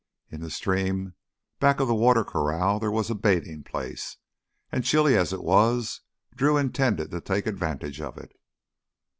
In the stream back of the water corral there was a bathing place, and chilly as it was, Drew intended to take advantage of it.